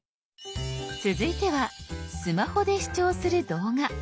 続いてはスマホで視聴する動画。